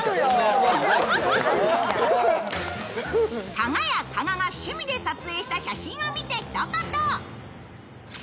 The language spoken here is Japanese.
かが屋・加賀が趣味で撮影した写真を見てひと言。